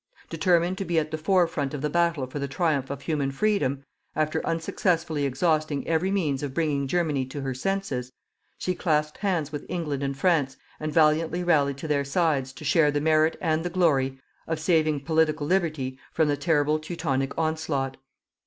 Determined to be at the forefront of the battle for the triumph of human Freedom after unsuccessfully exhausting every means of bringing Germany to her senses she clasped hands with England and France and valiantly rallied to their sides to share the merit and the glory of saving Political Liberty from the terrible Teutonic onslaught.